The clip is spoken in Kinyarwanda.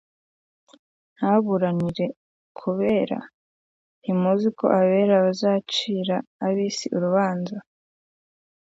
Ntaburanire ku bera? Ntimuzi yuko abera bazacira ab’isi urubanza?